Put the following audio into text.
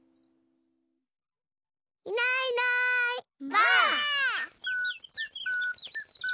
いないいないばあっ！